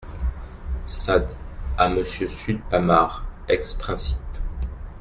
S'ad à Monsieur sud Pamart ex-princip.